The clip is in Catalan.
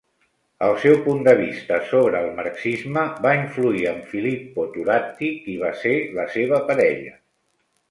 El seu punt de vista sobre el marxisme va influir en Filippo Turati, qui va ser la seva parella.